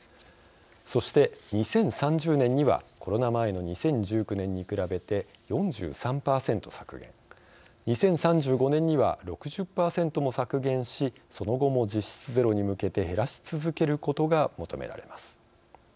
そして、２０３０年にはコロナ前の２０１９年に比べて４３％削減２０３５年には６０％も削減しその後も実質ゼロに向けて減らし続けることが求められます。